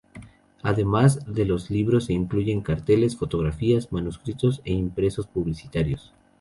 Además de los libros se incluyen carteles, fotografías, manuscritos e impresos publicitarios.